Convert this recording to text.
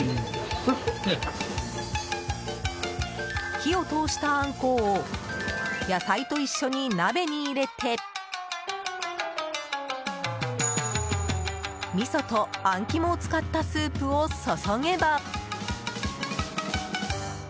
火を通したアンコウを野菜と一緒に鍋に入れてみそとアン肝を使ったスープを注げば。